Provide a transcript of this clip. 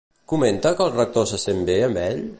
Comenta que el Rector se sent bé amb ell?